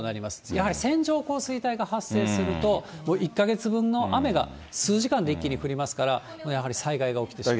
やはり線状降水帯が発生すると、もう１か月分の雨が数時間で一気に降りますから、やはり災害が起きてしまう。